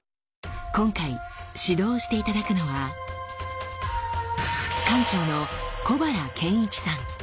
今回指導して頂くのは館長の小原憲一さん。